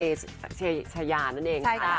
ชายานั่นเองค่ะ